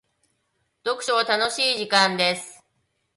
読書は楽しい時間です。